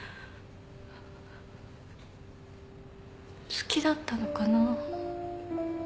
好きだったのかな。